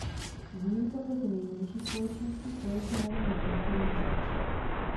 Výjimka pro ty nejmenší společnosti s velice malými prostory nestačí.